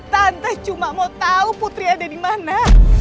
tante cuma mau tahu putri ada dimana